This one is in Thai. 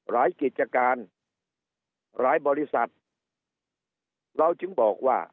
กิจการหลายบริษัทเราจึงบอกว่า